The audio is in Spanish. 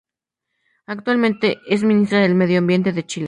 Actualmente es ministra del Medio Ambiente de Chile.